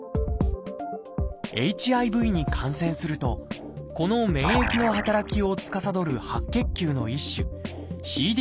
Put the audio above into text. ＨＩＶに感染するとこの免疫の働きをつかさどる白血球の一種ＣＤ